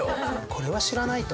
これは知らないと。